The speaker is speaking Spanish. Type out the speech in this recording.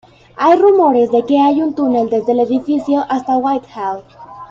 Hay rumores de que hay un túnel desde el edificio hasta Whitehall.